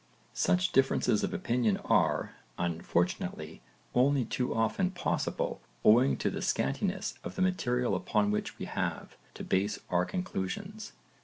Such differences of opinion are unfortunately only too often possible owing to the scantiness of the material upon which we have to base our conclusions.